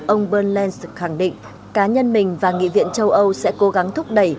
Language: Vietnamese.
ông bernd lenz khẳng định cá nhân mình và nghị viện châu âu sẽ cố gắng thúc đẩy